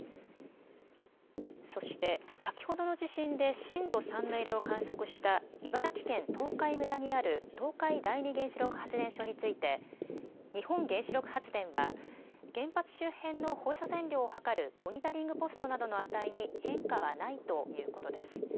そして先ほどの地震で震度３の揺れを観測した茨城県東海村にある東海第二原子力発電所について日本原子力発電は原発周辺の放射線量を測るモニタリングポストなどの値に変化はないということです。